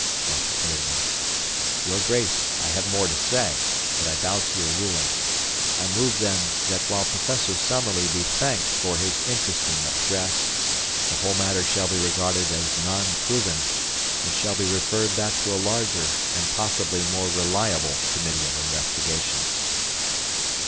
"DR. ILLINGWORTH: 'Your Grace, I have more to say, but I bow to your ruling. I move, then, that, while Professor Summerlee be thanked for his interesting address, the whole matter shall be regarded as 'non proven,' and shall be referred back to a larger, and possibly more reliable Committee of Investigation.'